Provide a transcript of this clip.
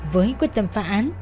với quyết tâm phá án